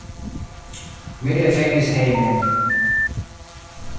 Mi revenis hejmen.